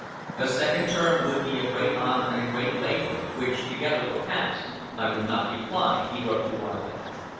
"A second term would be a great honor and a great labor; which together, perhaps, I would not decline," he wrote to one of them.